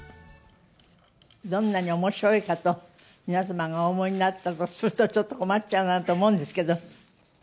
どんなにおもしろいかと、皆様がお思いになったとすると、ちょっと困っちゃうなと思うんですけど。